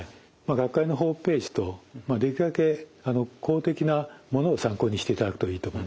学会のホームページ等できるだけ公的なものを参考にしていただくといいと思うんですね。